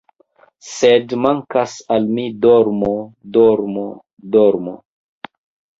♫ Sed mankas al mi dormo, dormo, dormo ♫